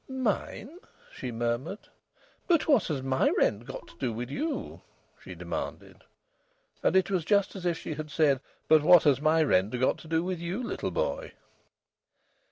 "Mine!" she murmured. "But what has my rent got to do with you?" she demanded. And it was just as if she had said, "But what has my rent got to do with you, little boy?"